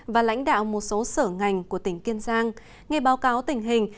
và lãnh đạo một số sở ngành của tỉnh kiên giang nghe báo cáo tình hình